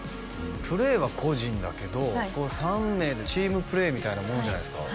プレーは個人だけどこう３名でチームプレーみたいなものじゃないですか